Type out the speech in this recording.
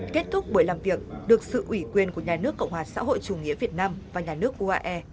kết thúc buổi làm việc được sự ủy quyền của nhà nước cộng hòa xã hội chủ nghĩa việt nam và nhà nước uae